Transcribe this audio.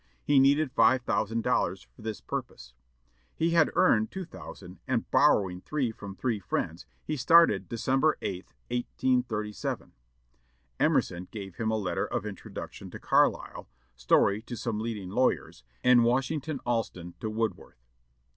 He needed five thousand dollars for this purpose. He had earned two thousand, and, borrowing three from three friends, he started December 8, 1837. Emerson gave him a letter of introduction to Carlyle, Story to some leading lawyers, and Washington Allston to Wordsworth.